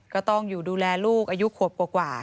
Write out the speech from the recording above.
ก็ต้องอยู่ดูแลลูกอายุขวบกว่า